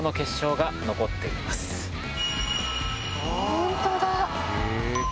本当だ！